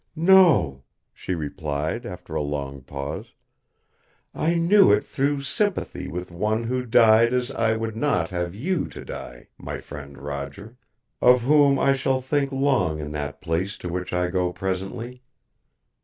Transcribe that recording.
"No," she replied, after a long pause. "I knew It through sympathy with one who died as I would not have you to die, my friend Roger, of whom I shall think long in that place to which I go presently.